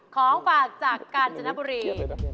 ของฝากจากกาญจนบุรี